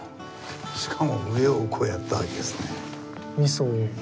しかも上をこうやったわけですね。